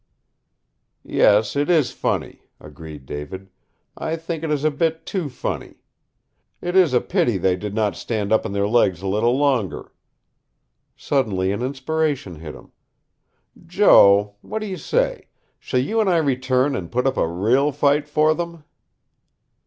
"Yes, it is funny," agreed David. "I think it is a bit too funny. It is a pity they did not stand up on their legs a little longer!" Suddenly an inspiration hit him. "Joe, what do you say shall you and I return and put up a REAL fight for them?"